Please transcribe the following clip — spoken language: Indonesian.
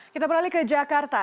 kita beralih ke jakarta